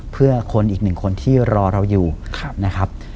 เพื่อคนอีกหนึ่งคนที่รอเราอยู่นะครับ